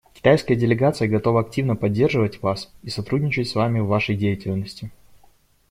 Китайская делегация готова активно поддерживать вас и сотрудничать с вами в вашей деятельности.